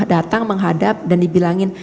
datang menghadap dan dibilangin